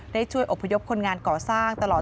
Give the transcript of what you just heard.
ได้ช่วยอบพยพคนงานก่อสร้างตลอด